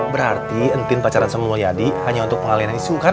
berarti entin pacaran sama mbak yadi hanya untuk pengalihannya isu kan